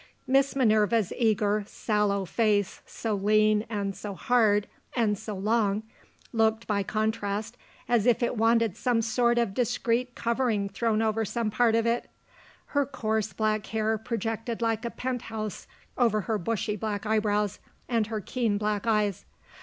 Miss Minerva's eager sallow face, so lean, and so hard, and so long, looked, by contrast, as if it wanted some sort of discreet covering thrown over some part of it. Her coarse black hair projected like a penthouse over her bushy black eyebrows and her keen black eyes.